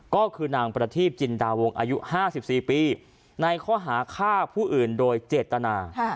ก็คือนางประทีปจินดาวงอายุ๕๔ปีในข้อหาฆ่าผู้อื่นโดยเจตนา